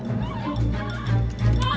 ketika mobil tersebut dikejar kejar